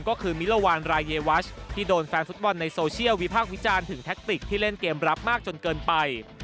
ก็คือมิลวานรายเยวัชที่โดนแฟนฟุตบอลในโซเชียลวิพากษ์วิจารณ์ถึงแท็กติกที่เล่นเกมรับมากจนเกินไป